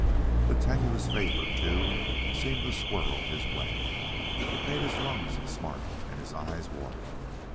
The tenuous vapor, too, seemed to swirl his way. It made his lungs smart and his eyes water.